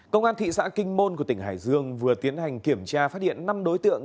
công an thị xã kinh môn của tỉnh hải dương vừa tiến hành kiểm tra phát hiện năm đối tượng